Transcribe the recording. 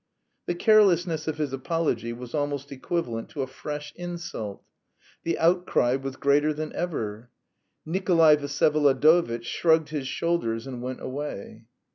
The carelessness of his apology was almost equivalent to a fresh insult. The outcry was greater than ever. Nikolay Vsyevolodovitch shrugged his shoulders and went away.